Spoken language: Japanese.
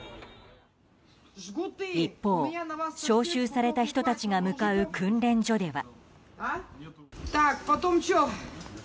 一方、招集された人たちが向かう訓練所では。